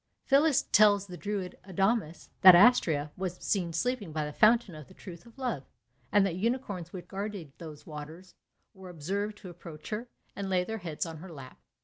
Phillis tells the druid Adamas that Astrea was seen sleeping by the fountain of the Truth of Love, and that the unicorns which guarded those waters were observed to approach her, and lay their heads on her lap.